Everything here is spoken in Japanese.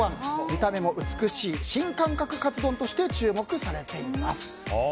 見た目も美しい新感覚カツ丼として注目されています。